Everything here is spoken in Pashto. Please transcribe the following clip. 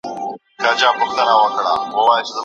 سړی د درملو د پلاستیک په موندلو ډېر خوشحاله و.